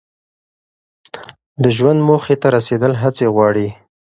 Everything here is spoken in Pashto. د ژوند موخې ته رسیدل هڅې غواړي.